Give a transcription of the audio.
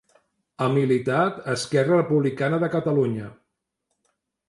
Ha militat a Esquerra Republicana de Catalunya.